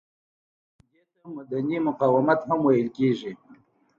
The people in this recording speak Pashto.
دې ته مدني مقاومت هم ویل کیږي.